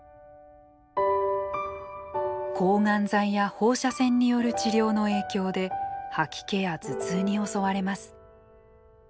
抗がん剤や放射線による治療の影響で吐き気や頭痛に襲われます。